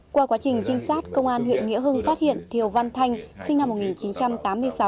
qua quá trình trinh sát công an huyện nghĩa hưng phát hiện thiều văn thanh sinh năm một nghìn chín trăm tám mươi sáu